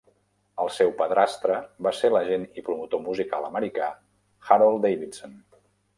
El seu padrastre va ser l'agent i promotor musical americà Harold Davison.